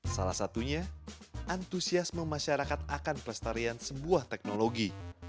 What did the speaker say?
salah satunya antusiasme masyarakat akan pelestarian sebuah teknologi